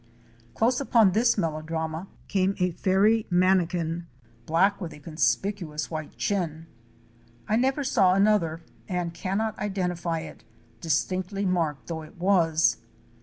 Close upon this melodrama came a fairy Manakin, black with a conspicuous white chin. I never saw another and cannot identify it, distinctly marked though it was.